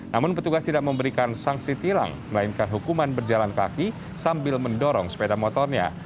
namun petugas tidak memberikan sanksi tilang melainkan hukuman berjalan kaki sambil mendorong sepeda motornya